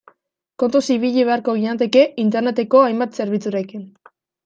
Kontuz ibili beharko ginateke Interneteko hainbat zerbitzurekin.